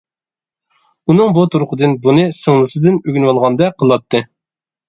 — ئۇنىڭ بۇ تۇرىقىدىن بۇنى سىڭلىسىدىن ئۆگىنىۋالغاندەك قىلاتتى.